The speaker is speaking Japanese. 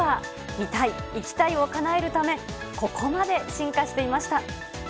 見たい、行きたいをかなえるため、ここまで進化していました。